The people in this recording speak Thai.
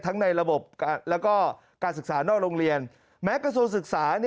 ในระบบแล้วก็การศึกษานอกโรงเรียนแม้กระทรวงศึกษา